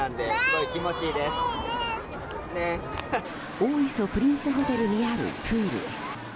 大磯プリンスホテルにあるプールです。